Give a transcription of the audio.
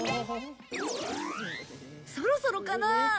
そろそろかな？